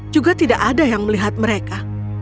juga tidak ada yang melihat mereka